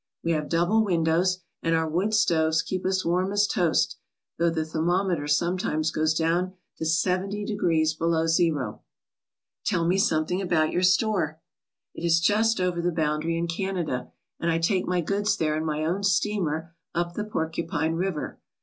We have double windows, and our wood stoves keep us as warm as toast, though the thermometer some times goes down to seventy degrees below zero." "Tell me something about your store." " It is just over the boundary in Canada, and I take my goods there in my own steamer up the Porcupine River.